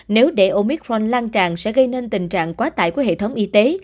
nếu để omitforn lan tràn sẽ gây nên tình trạng quá tải của hệ thống y tế